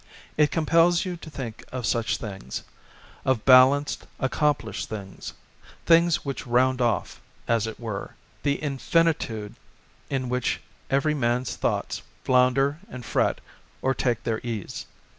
It compels you to think ofjsuch things, of balanced, accomplished things, things which roimd off, as it were, the infinitude in which every man*s thoughts flounder and fret or take their ease.